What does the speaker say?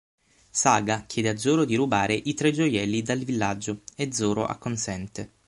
Saga chiede a Zoro di rubare i tre gioielli dal villaggio e Zoro acconsente.